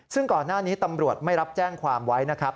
ซึ่งก่อนหน้านี้ตำรวจไม่รับแจ้งความไว้นะครับ